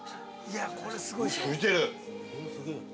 ◆浮いてる。